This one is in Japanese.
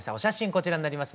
こちらになります。